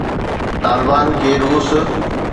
طالبان کي روس